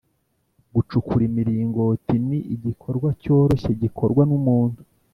gucukura imiringoti ni igikorwa cyoroshye gikorwa n’umuntu